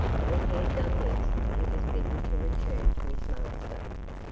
—When he had done this, he was bidden to return to his master.